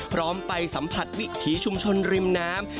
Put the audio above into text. พร้อมไปสัมผัสวิถีชุมชนริมน้ำ